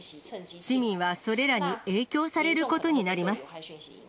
市民はそれらに影響されることになります。